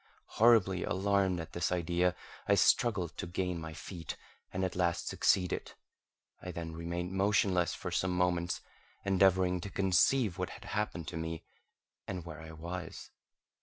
Horribly alarmed at this idea, I struggled to gain my feet, and at last succeeded. I then remained motionless for some moments, endeavouring to conceive what had happened to me, and where I was.